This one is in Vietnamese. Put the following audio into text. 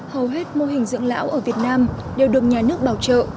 hầu hết mô hình dưỡng lão ở việt nam đều được nhà nước bảo trợ